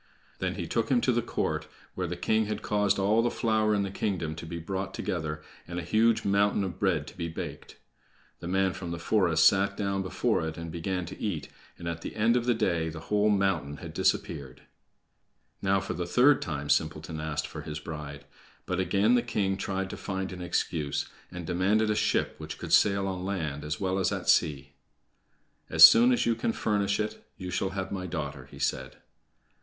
Then he took him to the court, where the king had caused all the flour in the kingdom to be brought together, and a huge mountain of bread to be baked. The man from the forest sat down before it and began to eat, and at the end of the day the whole mountain had disappeared. Now, for the third time, Simpleton asked for his bride. But again the king tried to find an excuse, and demanded a ship which could sail on land as well as at sea. "As soon as you can furnish it, you shall have my daughter," he said.